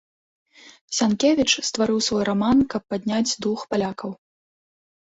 Сянкевіч стварыў свой раман, каб падняць дух палякаў.